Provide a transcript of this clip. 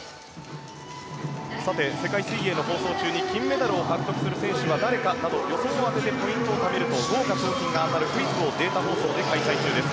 さて、世界水泳の放送中に金メダルを獲得する選手は誰かなど予想を当ててポイントをためると豪華賞品が当たるクイズをデータ放送で開催中です。